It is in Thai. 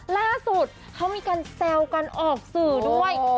ล่าสุดเขามีการแซวกันออกสื่อด้วย